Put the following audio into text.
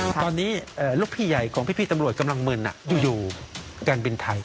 คือตอนนี้ลูกพี่ใหญ่ของพี่ตำรวจกำลังมึนอยู่การบินไทย